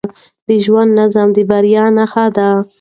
د ژوند نظم د بریا نښه ده.